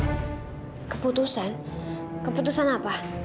keputusan keputusan apa